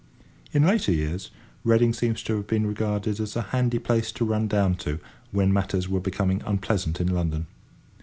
In later years, Reading seems to have been regarded as a handy place to run down to, when matters were becoming unpleasant in London.